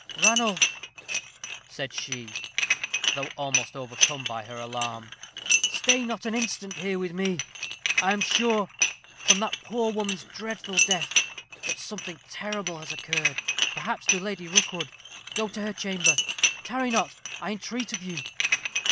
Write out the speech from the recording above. "Ranulph," said she, though almost overcome by her alarm, "stay not an instant here with me. I am sure, from that poor woman's dreadful death, that something terrible has occurred, perhaps to Lady Rookwood. Go to her chamber. Tarry not, I entreat of you."